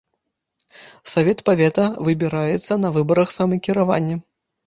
Савет павета выбіраецца на выбарах самакіравання.